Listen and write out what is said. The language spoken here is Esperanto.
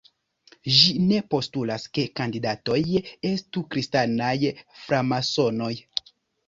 Ĝi "ne" postulas ke kandidatoj estu kristanaj framasonoj.